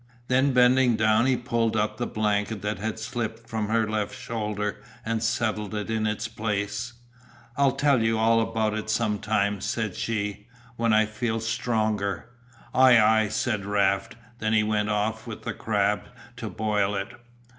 Then bending down he pulled up the blanket that had slipped from her left shoulder and settled it in its place. "I'll tell you all about it some time," said she, "when I feel stronger." "Ay, ay," said Raft. Then he went off with the crab to boil it.